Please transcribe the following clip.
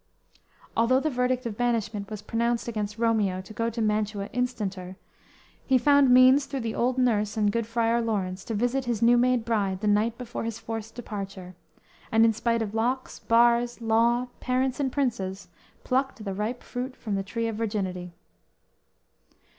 "_ Although the verdict of banishment was pronounced against Romeo to go to Mantua instanter, he found means through the old nurse and good Friar Laurence to visit his new made bride the night before his forced departure; and in spite of locks, bars, law, parents and princes, plucked the ripe fruit from the tree of virginity.